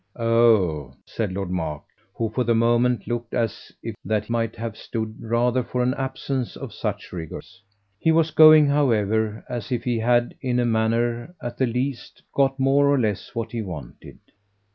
"Oh," said Lord Mark, who for the moment looked as if that might have stood rather for an absence of such rigours. He was going, however, as if he had in a manner, at the last, got more or less what he wanted.